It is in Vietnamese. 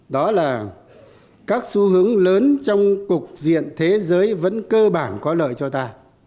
đó là các xu hướng lớn trong cục diện thế giới vẫn cơ bản có lợi cho ta